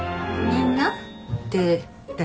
「みんな」って誰？